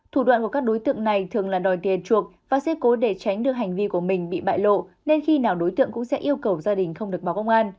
thủ đoạn của các đối tượng này thường là đòi tiền chuộc và xe cố để tránh được hành vi của mình bị bại lộ nên khi nào đối tượng cũng sẽ yêu cầu gia đình không được báo công an